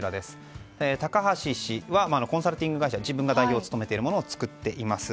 高橋氏はコンサルティング会社自分が代表を務めているもです。